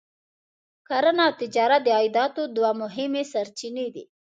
کرنه او تجارت د عایداتو دوه مهمې سرچینې دي.